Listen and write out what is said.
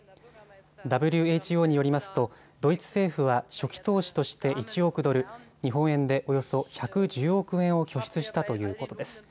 ＷＨＯによりますとドイツ政府は初期投資として１億ドル、日本円でおよそ１１０億円を拠出したということです。